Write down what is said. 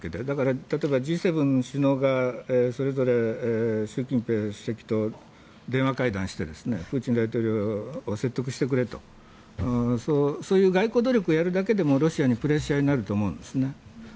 だから例えばＧ７首脳がそれぞれ習近平主席と電話会談してプーチン大統領を説得してくれとそういう外交努力をやるだけでもロシアにプレッシャーになると思うんですね。